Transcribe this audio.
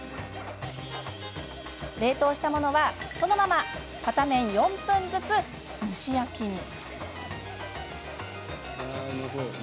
冷凍したものはそのまま片面４分ずつ蒸し焼きに。